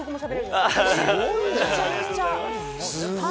すごい。